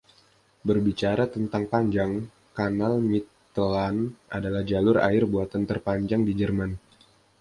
Berbicara tentang panjang, Kanal Mittelland adalah jalur air buatan terpanjang di Jerman.